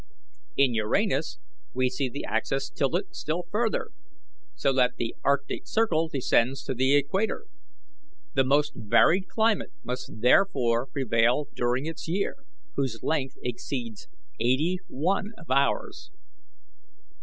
"In Uranus we see the axis tilted still further, so that the arctic circle descends to the equator. The most varied climate must therefore prevail during its year, whose length exceeds eighty one of ours.